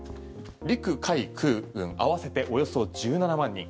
陸海空軍合わせておよそ１７万人。